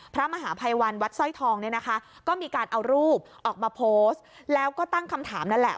พระมหาพัยวรรณวัตรซ่อยทองนี้นะคะก็มีการเอารูปออกมาแล้วก็ตั้งคำถามนั่นแหละ